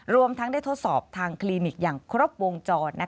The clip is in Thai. รวมทั้งได้ทดสอบทางคลินิกอย่างครบวงจร